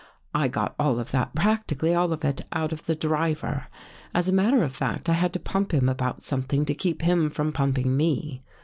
" I got all of that, practically all of it, out of the driver. As a matter of fact, I had to pump him about something to keep him from pumping me.